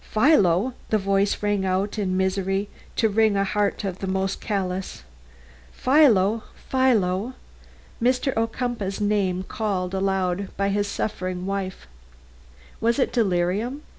"Philo!" the voice rang out in a misery to wring the heart of the most callous. "Philo! Philo!" Mr. Ocumpaugh's name called aloud by his suffering wife. Was she in delirium?